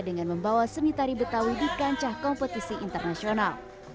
dengan membawa seni tari betawi di kancah kompetisi internasional